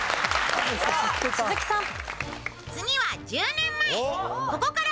鈴木さん。